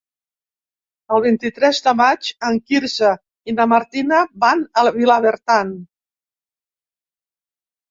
El vint-i-tres de maig en Quirze i na Martina van a Vilabertran.